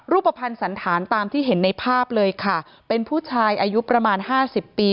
รูปภัณฑ์สันธารตามที่เห็นในภาพเลยค่ะเป็นผู้ชายอายุประมาณห้าสิบปี